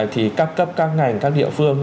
thì các cấp các ngành các địa phương